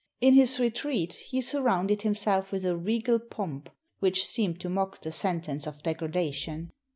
In his re treat he surrounded himself with a regal pomp, which seemed to mock the sentence of degradation.